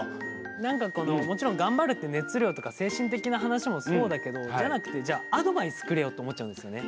何かこのもちろん頑張るって熱量とか精神的な話もそうだけどじゃなくてじゃあアドバイスくれよって思っちゃうんですよね。